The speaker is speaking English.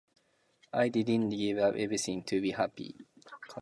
I didn't give up everything to be happy.